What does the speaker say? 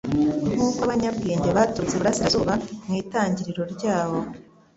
nk'uko abanyabwenge baturutse iburasirazuba mu itangira ryawo.